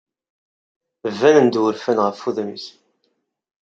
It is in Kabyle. Banen-d wurfan ɣef wudem-is.